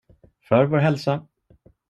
För vår hälsa!